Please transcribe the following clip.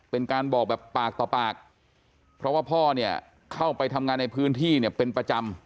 เป็นการบอกแบบปากต่อปากเพราะว่าพ่อเนี่ยเข้าไปทำงานในพื้นที่เนี่ยเป็นประจำ